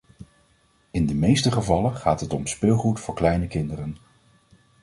In de meeste gevallen gaat het om speelgoed voor kleine kinderen.